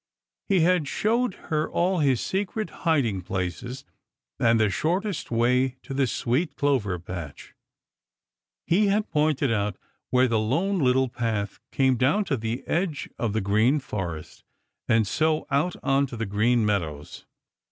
He had showed her all his secret hiding places and the shortest way to the sweet clover patch. He had pointed out where the Lone Little Path came down to the edge of the Green Forest and so out on to the Green Meadows.